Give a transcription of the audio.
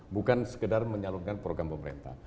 bukan sekedar menyalurkan program pemerintah